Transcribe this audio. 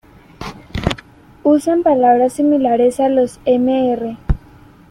Usan palabras similares a los Mr.